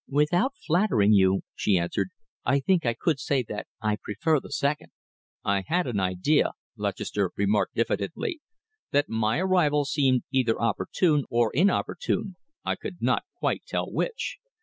"Without flattering you," she answered, "I think I could say that I prefer the second." "I had an idea," Lutchester remarked diffidently, "that my arrival seemed either opportune or inopportune I could not quite tell which.